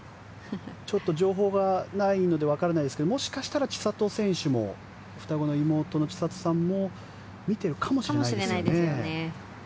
ちょっと情報がないのでわからないですがもしかしたら千怜選手も双子の妹の千怜さんも見てるかもしれないですね。